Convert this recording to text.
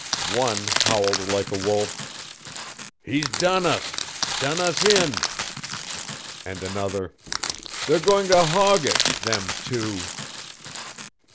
One howled like a wolf: "He's done us. Done us in." And another: "They're going to hog it. Them two...."